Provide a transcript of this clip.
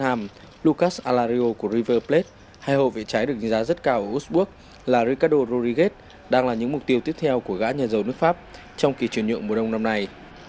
alario của river plate hai hồ vệ trái được nhìn giá rất cao ở wolfsburg là riccardo rodriguez đang là những mục tiêu tiếp theo của gã nhà giàu nước pháp trong kỳ truyền nhượng mùa đông năm nay